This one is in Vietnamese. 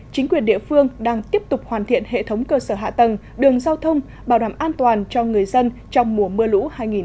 chính quyền địa phương đang tiếp tục hoàn thiện hệ thống cơ sở hạ tầng đường giao thông bảo đảm an toàn cho người dân trong mùa mưa lũ hai nghìn hai mươi